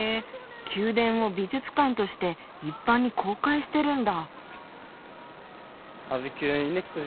宮殿を美術館として一般に公開してるんだ。